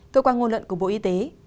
cơ quan ngôn luận của bộ y tế